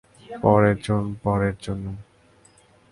পরের জন পরের জনের সাথে।